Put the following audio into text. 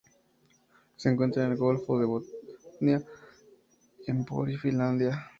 Se encuentra con el Golfo de Botnia en Pori, Finlandia.